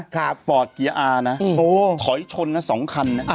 ครับฟอร์ตเกียร์อาร์นะถอยชน๒คันนะ